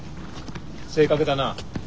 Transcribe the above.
正確だな。